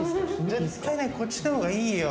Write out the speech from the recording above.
絶対ねこっちの方がいいよ。